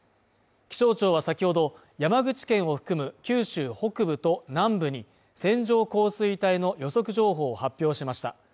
気象庁はさきほど、山口県を含む九州北部と南部に線状降水帯の予測情報を発表しました。